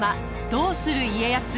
「どうする家康」。